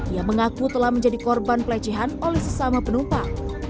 ia mengaku telah menjadi korban pelecehan oleh sesama penumpang